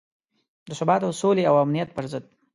د ثبات او سولې او امنیت پر ضد.